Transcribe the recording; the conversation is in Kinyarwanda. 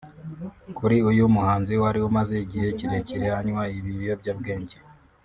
Kuri uyu muhanzi wari umaze igihe kirekire anywa ibi biyobyabwenge